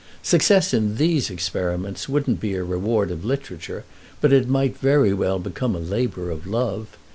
Success in these experiments wouldn't be a reward of literature, but it might very well become a labour of love.